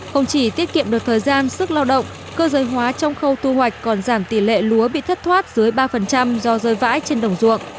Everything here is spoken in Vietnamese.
không chỉ tiết kiệm được thời gian sức lao động cơ giới hóa trong khâu thu hoạch còn giảm tỷ lệ lúa bị thất thoát dưới ba do rơi vãi trên đồng ruộng